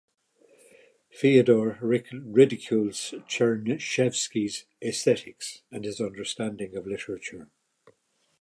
Fyodor ridicules Chernyshevsky's aesthetics and his understanding of literature.